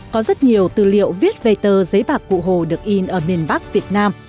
có rất nhiều tư liệu viết về tờ giấy bạc cụ hồ được in ở miền bắc việt nam